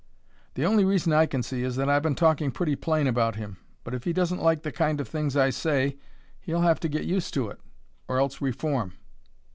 "The only reason I can see is that I've been talking pretty plain about him. But if he doesn't like the kind of things I say he'll have to get used to it, or else reform."